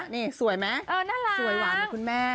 นี่สวยมั้ยสวยหวานมั้ยคุณแม่